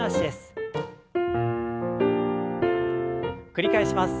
繰り返します。